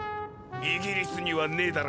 イギリスにはねえだろ